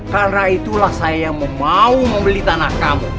karena itulah saya yang mau membeli tanah kamu